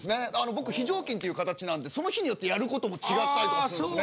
僕非常勤っていう形なんでその日によってやることも違ったりとかするんですね。